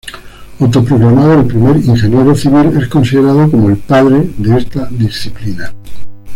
Autoproclamado el primer "ingeniero civil", es considerado como el "padre" de esta disciplina.